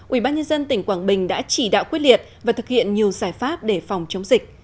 ubnd tỉnh quảng bình đã chỉ đạo quyết liệt và thực hiện nhiều giải pháp để phòng chống dịch